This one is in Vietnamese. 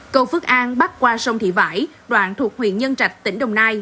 cầu phước an bắt qua sông thị vải đoạn thuộc huyện nhân trạch tỉnh đồng nai